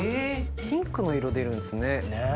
ピンクの色出るんですね。ねぇ。